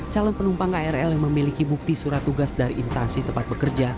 calon penumpang krl yang memiliki bukti surat tugas dari instansi tempat bekerja